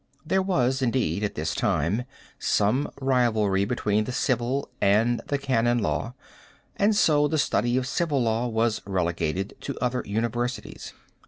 There was indeed at this time some rivalry between the civil and the canon law and so the study of civil law was relegated to other universities.